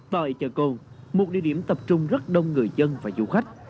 tại chợ cồn một địa điểm tập trung rất đông người dân và du khách